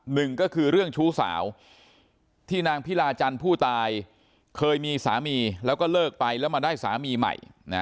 หนึ่งก็คือเรื่องชู้สาวที่นางพิลาจันทร์ผู้ตายเคยมีสามีแล้วก็เลิกไปแล้วมาได้สามีใหม่